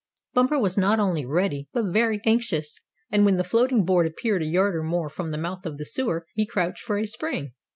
Bumper was not only ready, but very anxious, and when the floating board appeared a yard or more from the mouth of the sewer he crouched for a spring.